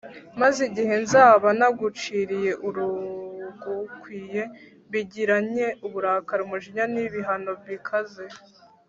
maze igihe nzaba naguciriye urugukwiye mbigiranye uburakari, umujinya n’ibihano bikaze